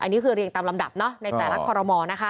ก็คือเรียงตามลำดับเนาะในแต่ละขอรมอนะคะ